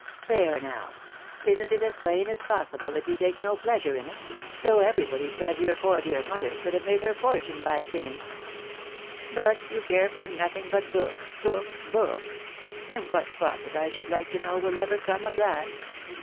" There, now, .... isn't it as plain as possible that you take no pleasure in it ?.... though every body said your poor dear mother could have made her fortune by singing. But you care for nothing but books, books, books !.... and what profit, I should like to know, will ever come of that?"